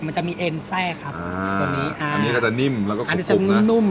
มันจะมีเอ็นแซ่ครับอ่าอันนี้ก็จะนิ่มแล้วก็กุ่มอันนี้จะนิ่มนุ่ม